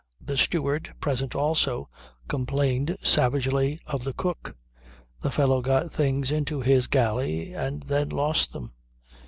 The steward, present also, complained savagely of the cook. The fellow got things into his galley and then lost them.